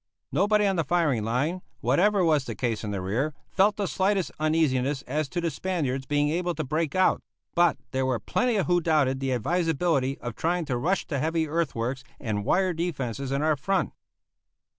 Nobody on the firing line, whatever was the case in the rear, felt the slightest uneasiness as to the Spaniards being able to break out; but there were plenty who doubted the advisability of trying to rush the heavy earthworks and wire defenses in our front.